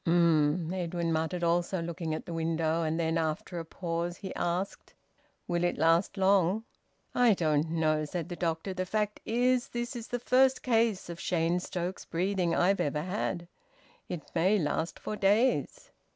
"Um!" Edwin muttered, also looking at the window. And then, after a pause, he asked: "Will it last long?" "I don't know," said the doctor. "The fact is, this is the first case of Cheyne Stokes breathing I've ever had. It may last for days."